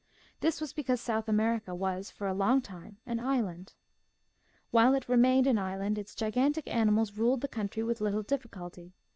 This was because South America was for a long time an island. While it remained an island its gigantic ani mals ruled the country with little difficulty.